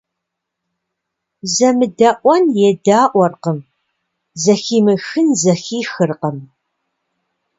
ЗэмыдэIуэн едаIуэркъым, зэхимыхын зэхихыркъым.